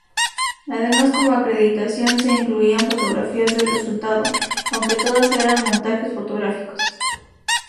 Además como acreditación se incluían fotografías del resultado, aunque todas eran montajes fotográficos.